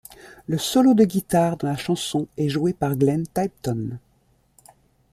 Le solo de guitare dans la chanson est joué par Glenn Tipton.